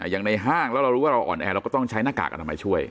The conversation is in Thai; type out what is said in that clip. อย่างในห้างแล้วเรารู้ว่าเราอ่อนแอเราก็ต้องใช้หน้ากากอนามัยช่วย